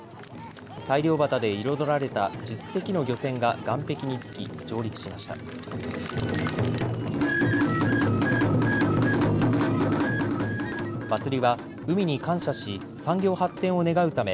大漁旗で彩られた１０隻の漁船が岸壁に着き、上陸しました。